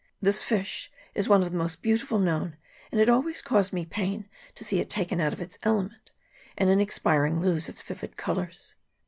This fish is one of the most beautiful known, and it always caused me pain to see it taken out of its ele ment, and in expiring lose its vivid colours.